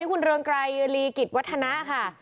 คุณเรืองไกรลีกิจวัฒนะค่ะ